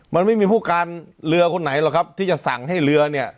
มันไม่มีผู้การเรือคนไหนหรอกครับที่จะสั่งให้เรือเนี่ย